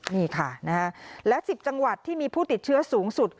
นี่ค่ะและ๑๐จังหวัดที่มีผู้ติดเชื้อสูงสุด